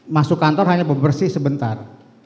masuk kantor hanya bersih sebentar